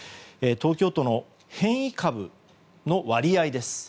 東京都の変異株の割合です。